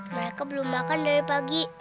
mereka belum makan dari pagi